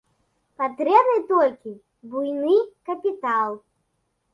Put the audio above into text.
Патрэбны толькі буйны капітал.